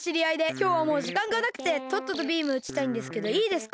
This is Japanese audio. きょうはもうじかんがなくてとっととビームうちたいんですけどいいですか？